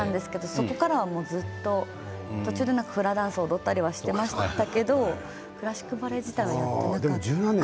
そこからはずっと途中でフラダンスを踊ったりはしていましたけどクラシックバレエ自体は。